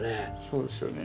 そうですよね。